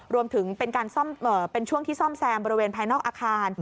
รวมถึงเป็นช่วงที่ซ่อมแซมบริเวณภายนอกอาคาร